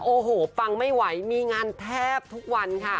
โอ้โหปังไม่ไหวมีงานแทบทุกวันค่ะ